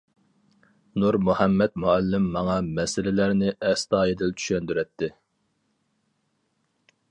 نۇرمۇھەممەت مۇئەللىم ماڭا مەسىلىلەرنى ئەستايىدىل چۈشەندۈرەتتى.